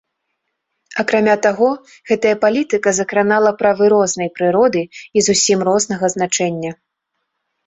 Акрамя таго, гэтая палітыка закранала правы рознай прыроды і зусім рознага значэння.